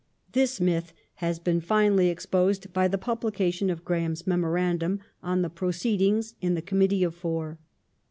^ This myth has been finally exposed by the publication of Graham's Memorandum on the proceedings in the Committee of Four.